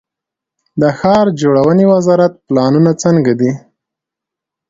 د ښار جوړونې وزارت پلانونه څنګه دي؟